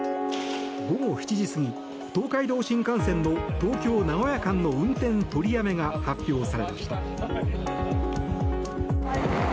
午後７時過ぎ東海道新幹線の東京名古屋間の運転取りやめが発表されました。